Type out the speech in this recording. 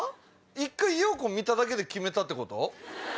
１回ヨウコ見ただけで決めたってこと？